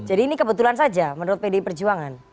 jadi ini kebetulan saja menurut pdi perjuangan